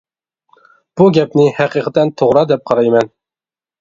بۇ گەپنى ھەقىقەتەن توغرا دەپ قارايمەن.